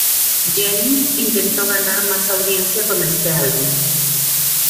Jennings intento ganar más audiencia con este álbum.